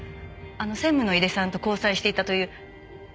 専務の井出さんと交際していたという。